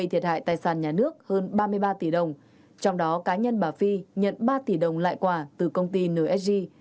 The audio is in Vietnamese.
hơn ba mươi ba tỷ đồng trong đó cá nhân bà phi nhận ba tỷ đồng lại quả từ công ty nsg